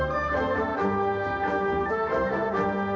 สวัสดีครับ